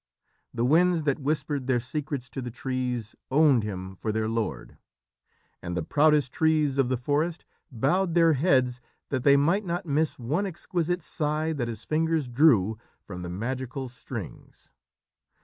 The winds that whispered their secrets to the trees owned him for their lord, and the proudest trees of the forest bowed their heads that they might not miss one exquisite sigh that his fingers drew from the magical strings.